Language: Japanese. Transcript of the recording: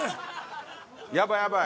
ヤバいヤバい。